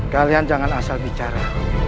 kalian jangan asal bicara